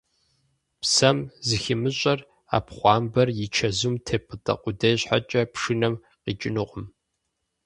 Псэм зыхимыщӀэр, Ӏэпхъуамбэр и чэзум теппӀытӀэ къудей щхьэкӀэ, пшынэм къикӀынукъым.